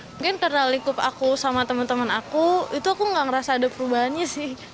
mungkin karena likup aku sama teman teman aku itu aku gak ngerasa ada perubahannya sih